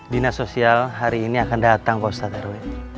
dina sosial hari ini akan datang pak ustadz arwet